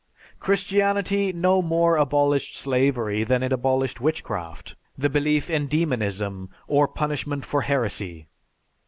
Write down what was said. Christianity no more abolished slavery than it abolished witchcraft, the belief in demonism, or punishment for heresy.